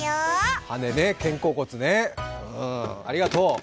羽根ね、肩甲骨ね、ありがとう。